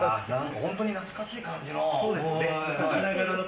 本当に懐かしい感じの。